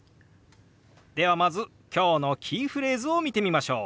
ではまず今日のキーフレーズを見てみましょう。